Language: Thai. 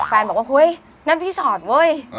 บอกว่าเฮ้ยนั่นพี่ชอตเว้ย